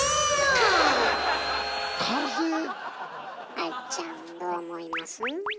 愛ちゃんどう思います？